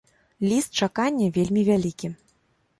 Ліст чакання вельмі вялікі.